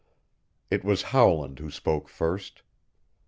It was Howland who spoke first.